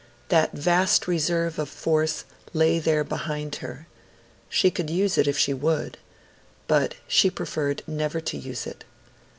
That vast reserve of force lay there behind her; she could use it, if she could. But she preferred never to use it.